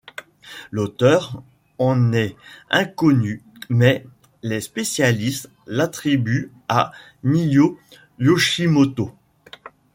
L'auteur en est inconnu mais les spécialistes l'attribuent à Nijō Yoshimoto.